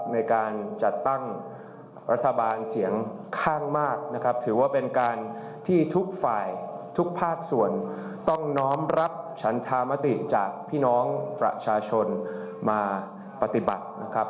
ในการจัดตั้งรัฐบาลเสียงข้างมากนะครับถือว่าเป็นการที่ทุกฝ่ายทุกภาคส่วนต้องน้อมรับฉันธามติจากพี่น้องประชาชนมาปฏิบัตินะครับ